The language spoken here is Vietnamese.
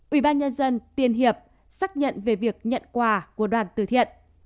ubnd tiên hiệp xác nhận về việc nhận quà của đoàn từ thiện